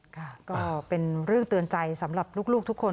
ค่ะก็เป็นเรื่องเตือนใจสำหรับลูกทุกคน